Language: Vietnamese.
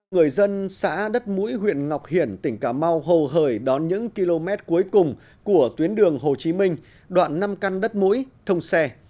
người dân xã đất mũi huyện ngọc hiển tỉnh cà mau hầu hời đón những km cuối cùng của tuyến đường hồ chí minh đoạn năm căn đất mũi thông xe